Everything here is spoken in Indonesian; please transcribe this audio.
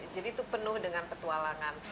jadi itu penuh dengan petualangan